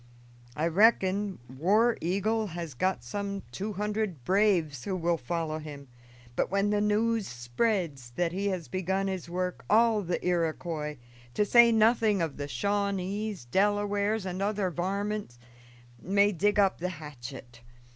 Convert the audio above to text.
I reckon War Eagle has got some two hundred braves who will follow him; but when the news spreads that he has begun his work, all the Iroquois, to say nothing of the Shawnees, Delawares, and other varmint, may dig up the hatchet.